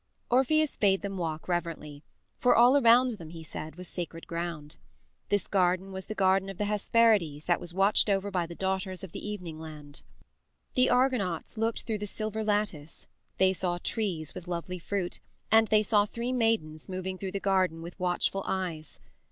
Orpheus bade them walk reverently, for all around them, he said, was sacred ground. This garden was the Garden of the Hesperides that was watched over by the Daughters of the Evening Land. The Argonauts looked through the silver lattice; they saw trees with lovely fruit, and they saw three maidens moving through the garden with watchful eyes.